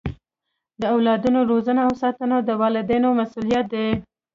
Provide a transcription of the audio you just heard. د اولاد روزنه او ساتنه د والدینو مسؤلیت دی.